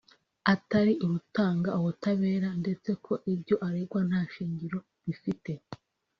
atari urutanga ubutabera ndetse ko ibyo aregwa nta shingiro bifite